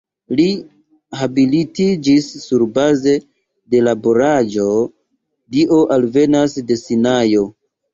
Li habilitiĝis surbaze de laboraĵo "Dio alvenas de Sinajo.